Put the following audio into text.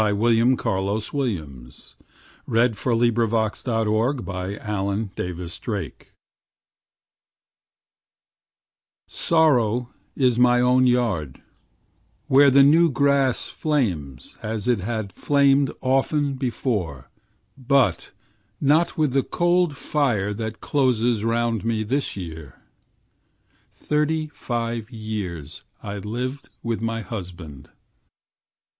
William Carlos Williams The Widow's Lament in Springtime SORROW is my own yard where the new grass flames as it has flamed often before but not with the cold fire that closes round me this year. Thirtyfive years I lived with my husband.